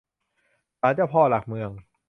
ศาลเจ้าพ่อหลักเมือง